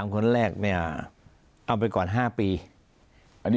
๓คนแรกเนี่ยเอาไปก่อน๕ปี